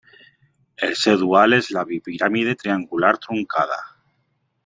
El seu dual és la bipiràmide triangular truncada.